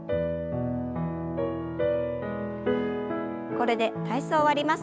これで体操を終わります。